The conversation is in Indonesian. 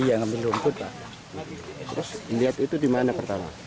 gila ngambil rumput pak terus lihat itu dimana pertama